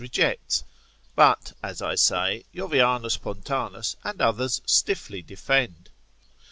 rejects; but, as I say, Jovianus Pontanus and others stiffly defend.